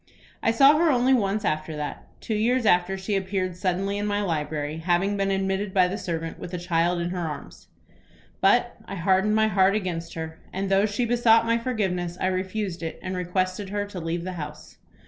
"I saw her only once after that. Two years after she appeared suddenly in my library, having been admitted by the servant, with a child in her arms. But I hardened my heart against her, and though she besought my forgiveness, I refused it, and requested her to leave the house.